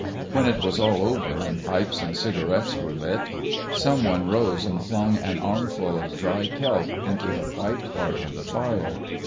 When it was over and pipes and cigarettes were lit, some one rose and flung an armful of dry kelp into the white heart of the fire.